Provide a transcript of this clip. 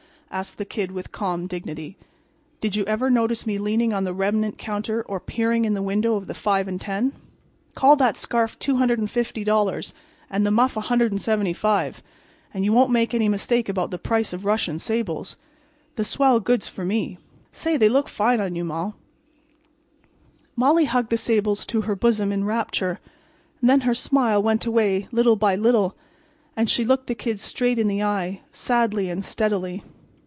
asked the Kid, with calm dignity. "Did you ever notice me leaning on the remnant counter or peering in the window of the five and ten? Call that scarf $250 and the muff $175 and you won't make any mistake about the price of Russian sables. The swell goods for me. Say, they look fine on you, Moll." Molly hugged the sables to her bosom in rapture. And then her smile went away little by little, and she looked the Kid straight in the eye sadly and steadily.